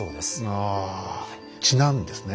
ああ血なんですね。